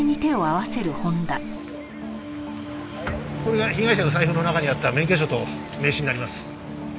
これが被害者の財布の中にあった免許証と名刺になります。